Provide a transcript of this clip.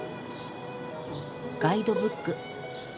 ガイドブック。